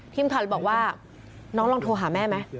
ทีมข่าวเลยบอกว่าน้องลองโทรหาแม่ไหม